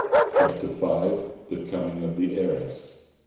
CHAPTER V. THE COMING OF THE HEIRESS.